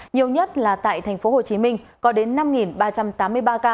nhiều nhất là tại tp hcm có đến năm ba trăm tám mươi ba ca